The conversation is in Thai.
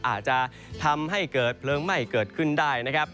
อาจจะทำให้เกิดเพลิงไหม้เกิดขึ้นได้นะครับ